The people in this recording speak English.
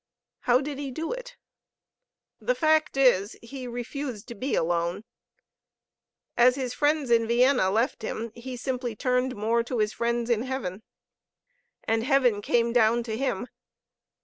How did he do it? The fact is, he refused to be alone. As his friends in Vienna left him, he simply turned more to his friends in heaven. And heaven came down to him.